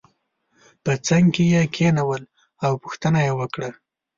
په څنګ کې یې کېنول او پوښتنه یې وکړه.